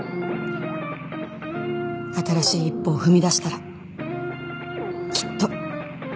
新しい一歩を踏み出したらきっと。